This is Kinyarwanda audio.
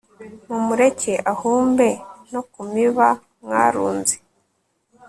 mumureke ahumbe no ku miba mwarunze